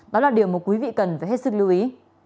đó là điều mà quý vị cần phải hết sức lưu ý